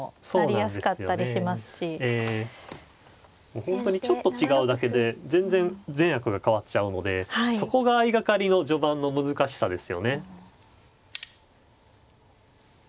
もう本当にちょっと違うだけで全然善悪が変わっちゃうのでそこが相掛かりの序盤の難しさですよね。